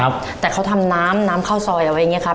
ครับแต่เขาทำน้ำน้ำข้าวซอยอะไรอย่างเงี้ครับ